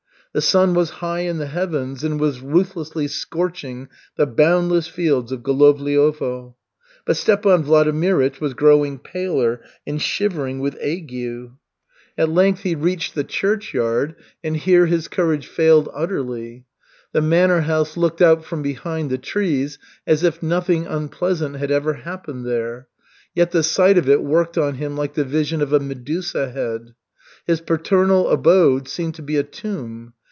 The sun was high in the heavens and was ruthlessly scorching the boundless fields of Golovliovo. But Stepan Vladimirych was growing paler and shivering with ague. At length he reached the churchyard, and here his courage failed utterly. The manor house looked out from behind the trees as if nothing unpleasant had ever happened there; yet the sight of it worked on him like the vision of a Medusa head. His paternal abode seemed to be a tomb.